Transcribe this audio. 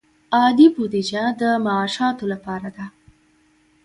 عادي بودجه د معاشاتو لپاره ده